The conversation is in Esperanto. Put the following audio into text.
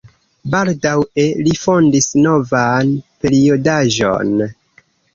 Baldaŭe li fondis novan periodaĵon.